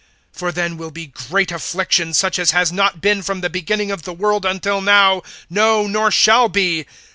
(21)For then will be great affliction, such as has not been from the beginning of the world until now, no nor shall be.